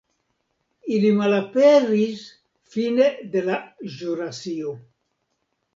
Ili malaperis fine de la ĵurasio.